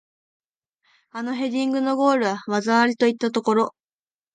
あのヘディングのゴールは技ありといったところ